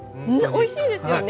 おいしいですよね。